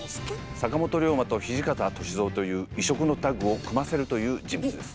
坂本龍馬と土方歳三という異色のタッグを組ませるという人物です。